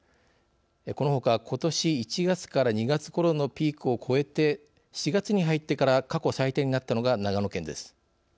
このほか、ことし１月から２月ごろのピークを越えて４月に入ってから過去最多になったのが長野県です。